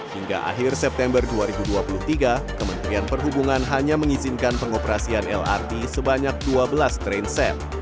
hingga akhir september dua ribu dua puluh tiga kementerian perhubungan hanya mengizinkan pengoperasian lrt sebanyak dua belas train set